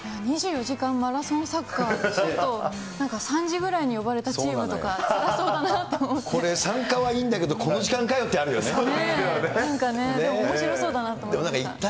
２４時間マラソンサッカー、ちょっとなんか３時ぐらいに呼ばれたチームとかつらそうだなと思これ、参加はいいんだけど、なんかね、でもおもしろそうだなと思いました。